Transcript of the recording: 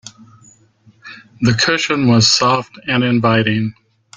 The cushion was soft and inviting.